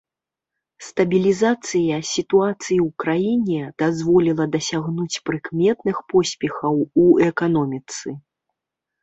Стабілізацыя сітуацыі ў краіне дазволіла дасягнуць прыкметных поспехаў у эканоміцы.